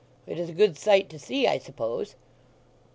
It is a good sight to see, I suppose?"